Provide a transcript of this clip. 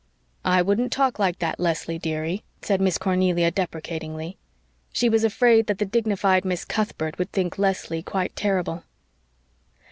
"I wouldn't talk like that, Leslie, dearie," said Miss Cornelia deprecatingly. She was afraid that the dignified Miss Cuthbert would think Leslie quite terrible.